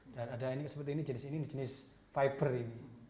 dan ada ini seperti ini jenis jenis fiber ini